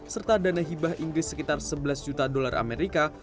serta dana hibah inggris sekitar sebelas juta dolar amerika